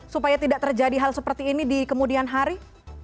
supaya tidak terjadi hal seperti ini di kemudian hari